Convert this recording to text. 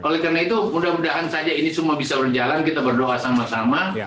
oleh karena itu mudah mudahan saja ini semua bisa berjalan kita berdoa sama sama